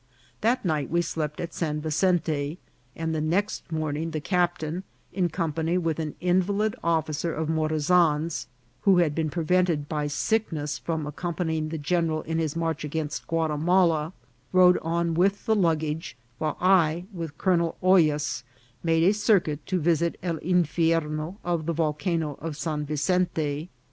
That night we slept at San Vicente, and the next morning the captain, in company with an invalid offi cer of Morazan's, who had been prevented by sick ness from accompanying the general in his march against Guatimala, rode on with the luggage, while I, with Colonel Hoy as, made a circuit to visit El Infierno of the Volcano of San Vicente.